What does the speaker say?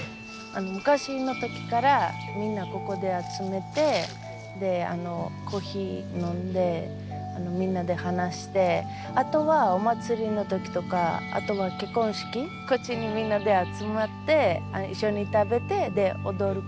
昔の時からみんなここで集めてコーヒー飲んでみんなで話してあとはお祭りの時とかあとは結婚式こっちにみんなで集まって一緒に食べて踊ること。